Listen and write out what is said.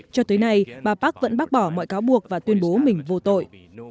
cho tới nay bà park vẫn bác bỏ mọi cáo buộc và tuyên bố mình vô tội